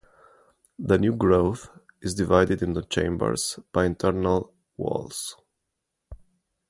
The new growth is divided into chambers by internal walls.